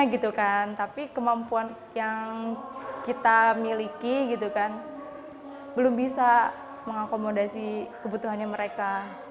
gitu kan tapi kemampuan yang kita miliki gitu kan belum bisa mengakomodasi kebutuhannya mereka